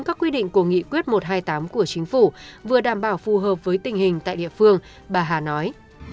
các quy định của nghị quyết một trăm hai mươi tám của chính phủ vừa đảm bảo phù hợp với tình hình tại địa phương bà hà nói